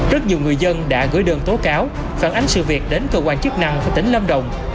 rất nhiều người dân đã gửi đơn tố cáo phản ánh sự việc đến cơ quan chức năng của tỉnh lâm đồng